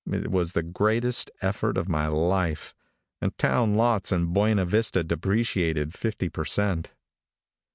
It was the greatest effort of my life, and town lots in Buena Vista depreciated fifty per cent.